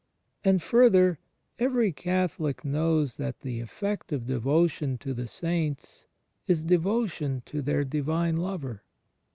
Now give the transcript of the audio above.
And, f\irther, every Catholic knows that the effect of devo tion to the saints is devotion to their Divine Lover.